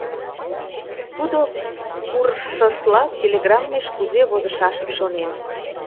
Тудо куржшыжлак телеграммеш кузе возышашым шонен: